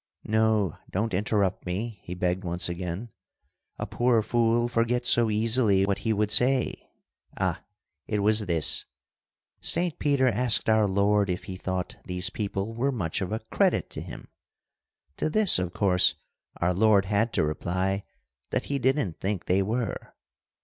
"No, don't interrupt me!" he begged once again. "A poor fool forgets so easily what he would say. Ah! it was this: Saint Peter asked our Lord if He thought these people were much of a credit to Him. To this, of course, our Lord had to reply that He didn't think they were.